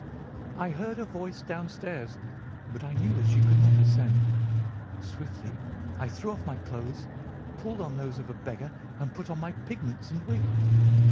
I heard her voice downstairs, but I knew that she could not ascend. Swiftly I threw off my clothes, pulled on those of a beggar, and put on my pigments and wig.